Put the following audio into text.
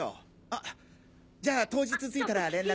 あっじゃあ当日着いたら。